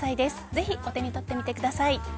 ぜひお手に取ってみてください。